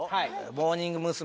モーニング娘。